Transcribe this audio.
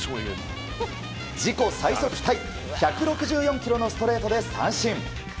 自己最速タイ１６４キロのストレートで三振。